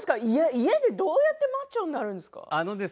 家でどうやってマッチョになるんですか。